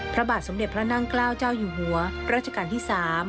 พระบาทสมเด็จพระนั่งเกล้าเจ้าอยู่หัวรัชกาลที่๓